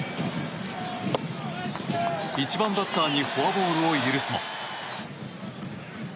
１番バッターにフォアボールを許すも。